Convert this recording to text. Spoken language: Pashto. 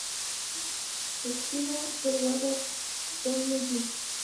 افیکسونه پر وده ډوله دي.